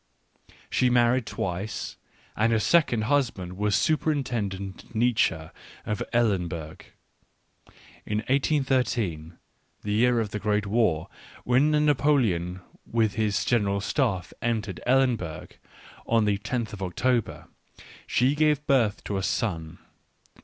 She married twice, and her second husband was Superintendent Nietzsche of Eilenburg. In 1 8 1 3, the year of the great war, when Napoleon with his general staff entered Eilen burg on the 10th of October, she gave birth to a son.